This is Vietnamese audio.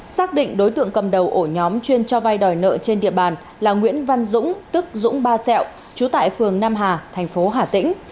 xác định đối tượng cầm đầu ổ nhóm chuyên cho vay đòi nợ trên địa bàn là nguyễn văn dũng tức dũng ba xẹo trú tại phường nam hà thành phố hà tĩnh